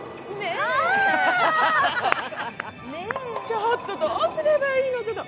ちょっとどうすればいいの？